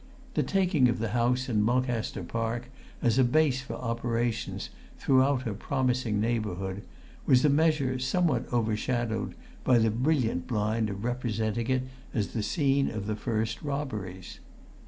The taking of the house in Mulcaster Park, as a base for operations throughout a promising neighbourhood, was a measure somewhat overshadowed by the brilliant blind of representing it as the scene of the first robberies.